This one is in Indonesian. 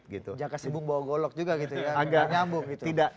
jangan kesibuk bawa golok juga gitu ya